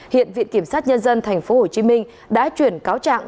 hiện viện kiểm sát nhân dân tp hcm đã chuyển cáo trạng